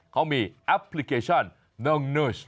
เขามีแอปพลิเคชันนมนุษย์